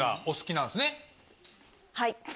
はい。